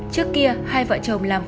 trước kia hai vợ chồng làm khói